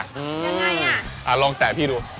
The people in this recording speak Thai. ยังไงอ่ะลองแตะพี่ดู